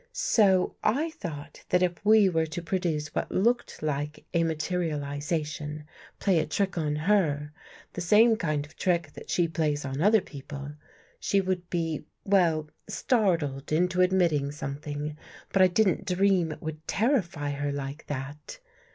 " So I thought that if we were to produce what looked like a materialization, play a trick on her — the same kind of trick that she plays on other peo 122 THE FIRST CONFESSION pie, she would be — well, startled Into admitting something. But I didn't dream It would terrify her like that.